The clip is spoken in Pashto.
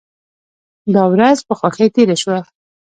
دا ورځ په خوښۍ تیره شوه.